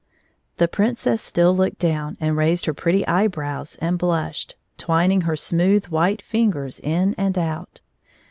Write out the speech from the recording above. The Princess still looked down and raised her pretty eyebrows and blushed, twining her smooth white fingers in and out.